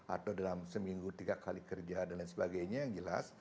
atau dalam seminggu tiga kali kerja dan lain sebagainya yang jelas